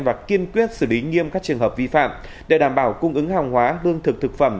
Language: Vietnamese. và kiên quyết xử lý nghiêm các trường hợp vi phạm để đảm bảo cung ứng hàng hóa lương thực thực phẩm